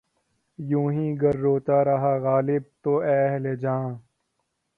یوں ہی گر روتا رہا غالب! تو اے اہلِ جہاں